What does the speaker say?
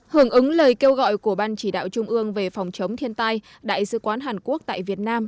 hưởng ứng lời kêu gọi của ban chỉ đạo trung ương về phòng chống thiên tai đại sứ quán hàn quốc tại việt nam